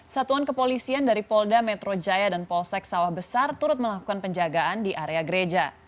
satuan kepolisian dari polda metro jaya dan polsek sawah besar turut melakukan penjagaan di area gereja